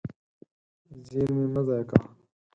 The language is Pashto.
زېرمې مه ضایع کوه.